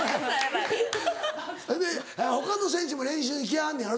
ほんで他の選手も練習に来はんねやろ？